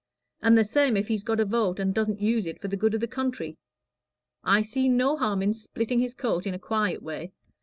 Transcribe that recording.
And the same if he's got a vote and doesn't use it for the good of the country; I see no harm in splitting his coat in a quiet way.